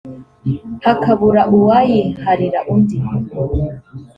hakabura uwayiharira undi